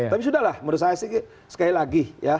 tapi sudah lah menurut saya sekali lagi ya